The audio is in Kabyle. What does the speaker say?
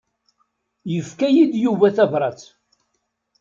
Yefka-yi-d Yuba tabrat.